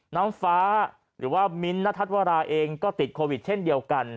น้องฟ้าหรือว่ามิ้นท์ณทัศน์วราเองก็ติดโควิดเช่นเดียวกัน